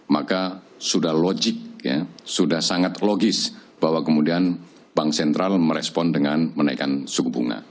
maka sudah logik ya sudah sangat logis bahwa kemudian bank sentral merespon dengan menaikkan suku bunga